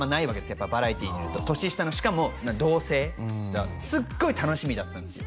やっぱバラエティーになると年下のしかも同性だからすっごい楽しみだったんですよ